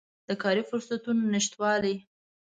د کاري فرصتونو نشتوالی